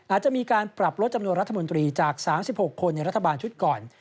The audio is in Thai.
อาจจะมีการปรับลดจำนวนรัฐมนตรีจาก๓๖คนในรัฐบาลชุดก่อน